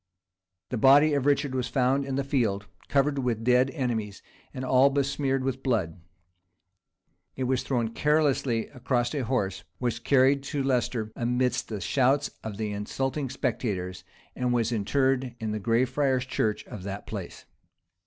The body of Richard was found in the field, covered with dead enemies, and all besmeared with blood: it was thrown carelessly across a horse; was carried to Leicester amidst the shouts of the insulting spectators; and was interred in the Gray Friars' church of that place.